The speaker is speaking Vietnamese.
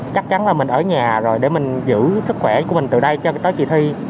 chắc chắn là mình ở nhà rồi để mình giữ sức khỏe của mình từ đây cho tới kỳ thi